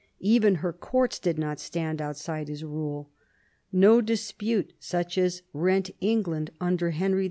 Even her courts did not stand outside his rule. No dispute such as rent England under Henry II.